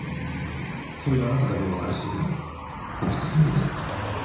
そういうあなただけわかるシグナル送ったつもりです。